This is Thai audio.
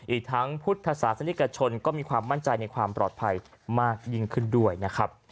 อีกทั้งพุทธศาสนิกชนก็มีความมั่นใจในความปลอดภัยมากยิ่งขึ้นด้วยนะครับ